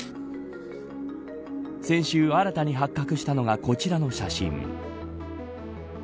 先週新たに発覚したのがこちらの写真。